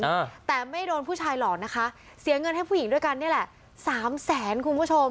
อ่าแต่ไม่โดนผู้ชายหลอกนะคะเสียเงินให้ผู้หญิงด้วยกันนี่แหละสามแสนคุณผู้ชม